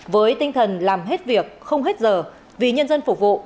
với tinh thần làm hết việc không hết giờ vì nhân dân phục vụ